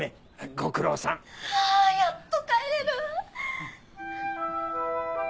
ご苦労さん。はあやっと帰れる！